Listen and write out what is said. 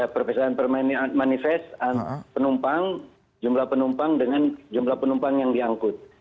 perbedaan manifest penumpang jumlah penumpang dengan jumlah penumpang yang diangkut